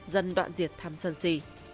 dân đoạn diệt tham sân si